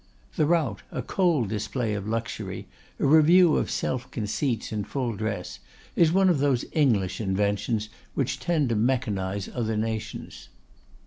The Rout, a cold display of luxury, a review of self conceits in full dress, is one of those English inventions which tend to mechanize other nations.